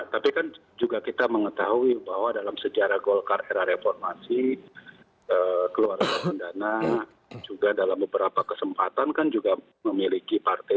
tapi kan juga kita mengetahui bahwa dalam sejarah golkar era reformasi keluarga sundana juga dalam beberapa kesempatan kan juga memiliki partai